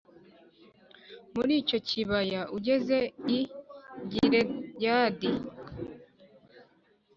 Muri icyo kibaya ukageza i Gileyadi